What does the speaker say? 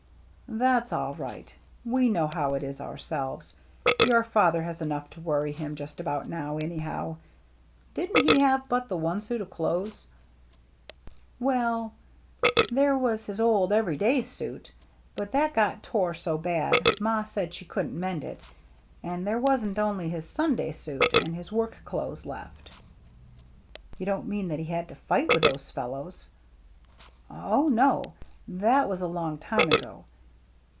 " That's all right. We know how it is our selves. Your father has enough to worry him just about now, anyhow. Didn't he have but the one suit of clothes ?"" Well, there was his old everyday suit, but that got tore so bad Ma said she couldn't mend it, and there wasn't only his Sunday suit and his work clothes left." 284 THE MERRT ANNE " You don't mean that he had to fight with those fellows ?"" Oh, no, — that was a long time ago.